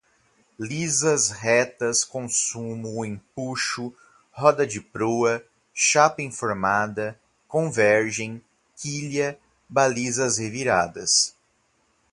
lisas, retas, consumo, empuxo, roda de proa, chapa enformada, convergem, quilha, balizas reviradas